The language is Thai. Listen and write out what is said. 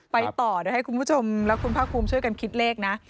ไปต่อเดี๋ยวให้คุณผู้ชมและคุณภาคภูมิช่วยกันคิดเลขนะ